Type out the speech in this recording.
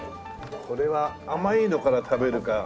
これは甘いのから食べるか。